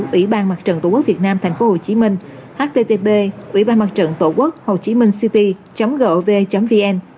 ủy ban mặt trận tổ quốc việt nam tp hcm http uibanmattrantotuoguoc hc gov vn